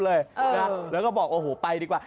เราก็บอกไปดีกว่า